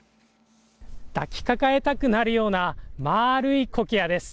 抱き抱えたくなるような丸いコキアです。